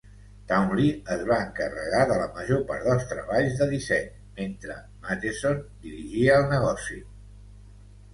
Townley es va encarregar de la major part dels treballs de disseny mentre Matheson dirigia el negoci.